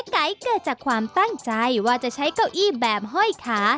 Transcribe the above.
ไก๋เกิดจากความตั้งใจว่าจะใช้เก้าอี้แบบห้อยขา